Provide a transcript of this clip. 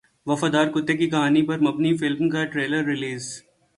وفادار کتے کی کہانی پر مبنی فلم کا ٹریلر ریلیز